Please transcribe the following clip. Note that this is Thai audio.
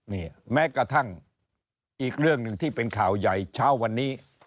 นี่แม้กระทั่งอีกเรื่องหนึ่งที่เป็นข่าวใหญ่เช้าวันนี้